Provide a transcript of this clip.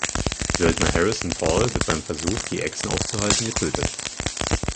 Söldner Harrison Paul wird beim Versuch die Echsen aufzuhalten getötet.